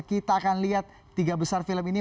kita akan lihat tiga besar film ini